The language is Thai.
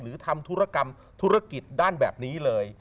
ทำธุรกรรมธุรกิจด้านแบบนี้เลย